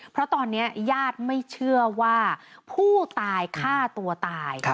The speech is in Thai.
เพราะตอนนี้ญาติไม่เชื่อว่าผู้ตายฆ่าตัวตาย